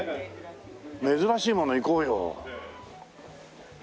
珍しいものいこうよ。